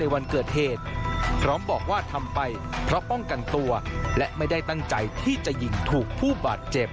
ว่าทำไปเพราะป้องกันตัวและไม่ได้ตั้งใจที่จะยิงถูกผู้บาดเจ็บ